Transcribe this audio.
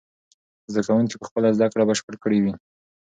زده کوونکي به خپله زده کړه بشپړه کړې وي.